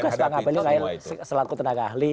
tapi tugas bang abeli selaku tenaga ahli